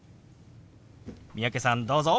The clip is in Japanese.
三宅さんどうぞ。